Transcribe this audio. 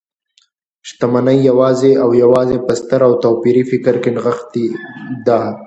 شتمنۍ يوازې او يوازې په ستر او توپيري فکر کې نغښتي ده .